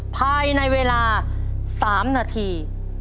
ภายในเวลา๓นาที